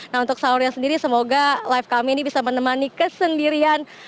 nah untuk sahurnya sendiri semoga live kami ini bisa menemani kesendirian